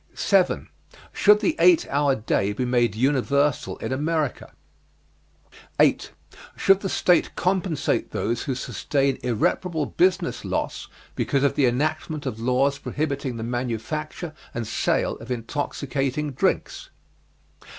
7. Should the eight hour day be made universal in America? 8. Should the state compensate those who sustain irreparable business loss because of the enactment of laws prohibiting the manufacture and sale of intoxicating drinks?